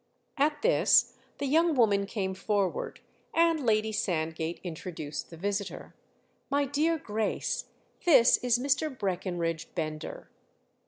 At this the young woman came forward, and Lady Sandgate introduced the visitor. "My dear Grace, this is Mr. Breckenridge Bender."